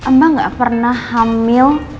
mba gak pernah hamil